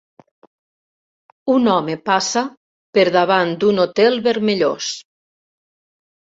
Un home passa per davant d'un hotel vermellós.